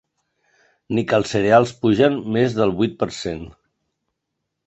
Ni que els cereals pugen més del vuit per cent.